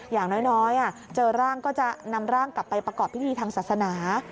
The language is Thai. อย่างน้อยเจอร่างก็จะนำร่างกลับไปประกอบพิธีทางศาสนา